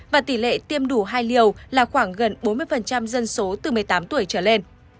và tỷ lệ tiêm đủ hai liều là khoảng gần bốn mươi dân số từ một mươi tám tuổi trở lên